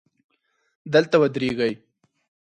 دلته ودرېږئ